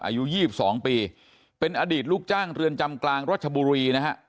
อายุ๒๒ปีเป็นอดีตลูกจ้างเรือนจำกลางรัชบุรีนะฮะ